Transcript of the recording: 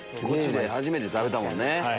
ゴチで初めて食べたもんね。